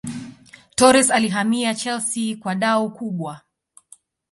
Torres alihamia Chelsea kwa dau kubwa